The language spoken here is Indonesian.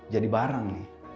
jadi barang nih